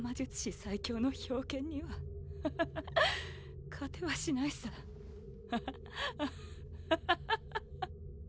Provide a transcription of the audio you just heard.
最強の冰剣にはハハハ勝てはしないさハハアハハハ